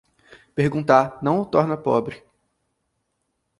Perguntar não o torna pobre.